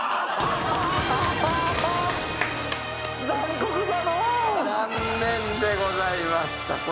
残念でございました。